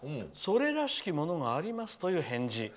それらしきものがありますという返事。